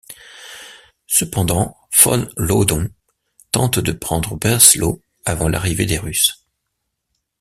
Cependant, von Laudon tente de prendre Breslau avant l'arrivée des Russes.